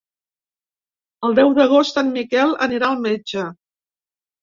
El deu d'agost en Miquel anirà al metge.